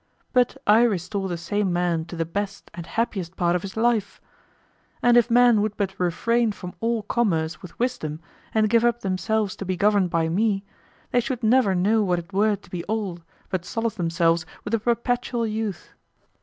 But I restore the same man to the best and happiest part of his life. And if men would but refrain from all commerce with wisdom and give up themselves to be governed by me, they should never know what it were to be old, but solace themselves with a perpetual youth.